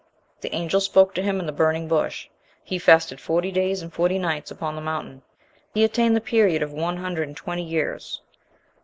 The angel spoke to him in the burning bush. He fasted forty days and forty nights upon the mountain. He attained the period of one hundred and twenty years.